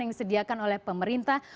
yang disediakan oleh pemerintah